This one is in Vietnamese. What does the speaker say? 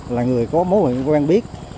là người có mối quan biết